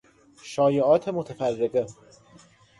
شایعات متفرقه